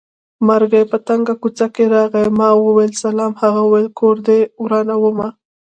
مرګی په تنګه کوڅه راغی ما وېل سلام هغه وېل کور دې ورانومه